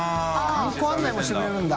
観光案内もしてくれるんだ。